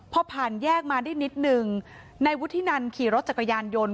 พอผ่านแยกมาได้นิดนึงนายวุฒินันขี่รถจักรยานยนต์